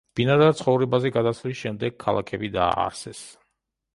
ბინადარ ცხოვრებაზე გადასვლის შემდეგ ქალაქები დააარსეს.